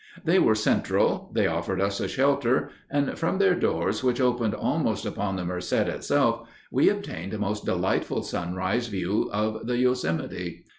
] They were central; they offered us a shelter; and from their doors, which opened almost upon the Merced itself, we obtained a most delightful sunrise view of the Yosemite.